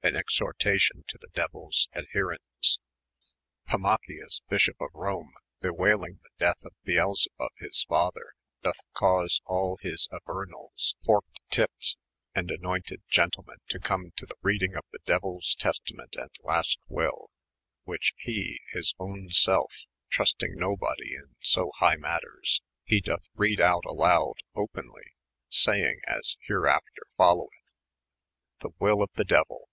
I An Bxhortacion to the deuyls ["g° ^». Adberentes. Fmachins, Bishop of Rome, beweilyng the death of Belsebab hia father, doth cause al his Auemals forked tipes, & anoynted Q^ntlemeii, to come to the readyng of the Deuyls Testament & Last Wyll, which he, his owne selfe, trustyng no body in so hyghe mattiera, he dothe reade out a loude openly, saiyng as hereafter followetK The wylle of the deuyl.